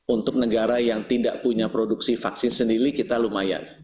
untuk negara yang tidak punya produksi vaksin sendiri kita lumayan